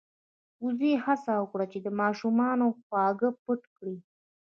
وزې هڅه وکړه چې د ماشومانو خواږه پټ کړي.